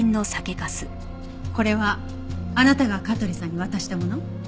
これはあなたが香取さんに渡したもの？